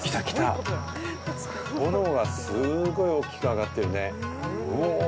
炎がすごく大きく上がっているね。